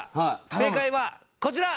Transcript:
正解はこちら！